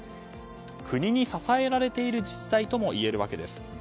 国に支えられている自治体ともいえるわけです。